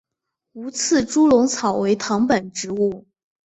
无刺猪笼草为藤本植物。